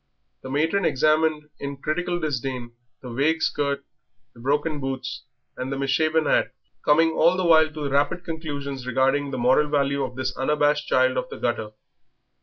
The matron examined in critical disdain the vague skirt, the broken boots, and the misshapen hat, coming all the while to rapid conclusions regarding the moral value of this unabashed child of the gutter.